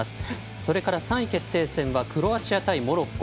それから、３位決定戦はクロアチア対モロッコ。